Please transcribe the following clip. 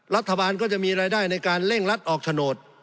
รัฐบาลก็จะมีรายได้ในการเร่งรัดออกโฉนด